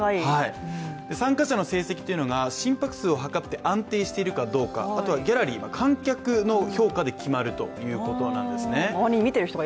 参加者の成績が心拍数をはかって安定しているかどうか、あとはギャラリー、観客の評価で決まるということですね。